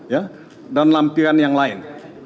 ya dan lampion yang lain